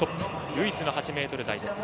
唯一の８ｍ台です。